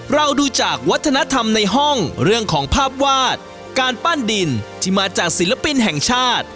เราดูจากวัฒนธรรมในห้องเรื่องของภาพวาดการปั้นดินที่มาจากศิลปินแห่งชาติ